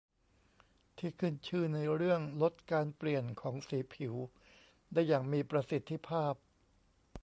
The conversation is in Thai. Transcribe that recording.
ที่ขึ้นชื่อในเรื่องลดการเปลี่ยนของสีผิวได้อย่างมีประสิทธิภาพ